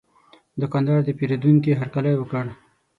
دوکاندار د پیرودونکي هرکلی وکړ.